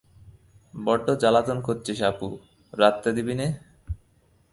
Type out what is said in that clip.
বড্ড জ্বালাতন কচ্চিস অপু-রাঁধতে দিবিনে?